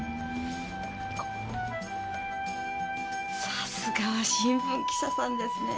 さすがは新聞記者さんですね。